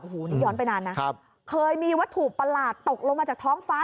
โอ้โหนี่ย้อนไปนานนะครับเคยมีวัตถุประหลาดตกลงมาจากท้องฟ้า